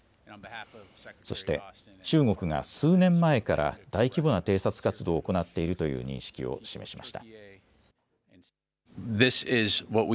そして中国が数年前から大規模な偵察活動を行っているという認識を示しました。